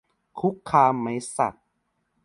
คุกคามไหมสัส